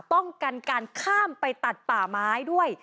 ป้องกันการข้ามไปตัดป่าไม้ด้วย